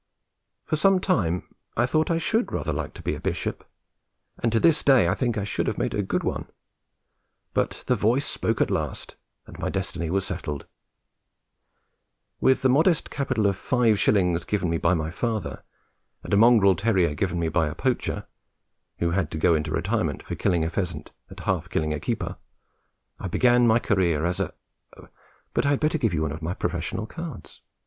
For some time I thought I should rather like to be a bishop, and to this day I think I should have made a good one; but the voice spoke at last, and my destiny was settled. With the modest capital of five shillings given me by my father, and a mongrel terrier, given me by a poacher who had to go into retirement for killing a pheasant and half killing a keeper, I began my career as a but I had better give you one of my professional cards.